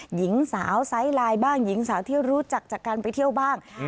หญิงสาวไซส์ไลน์บ้างหญิงสาวที่รู้จักจากการไปเที่ยวบ้าง